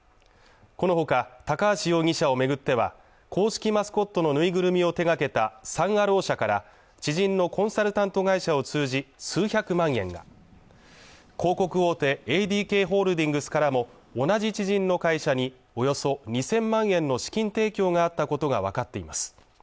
このほか高橋容疑者をめぐっては公式マスコットの縫いぐるみを手がけたサン・アロー社から知人のコンサルタント会社を通じ数百万円が広告大手ＡＤＫホールディングスからも同じ知人の会社におよそ２０００万円の資金提供があったことがわかっています